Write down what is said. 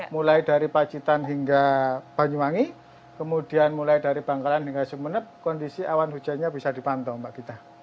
mulai dari pacitan hingga banyuwangi kemudian mulai dari bangkalan hingga sumeneb kondisi awan hujannya bisa dipantau mbak gita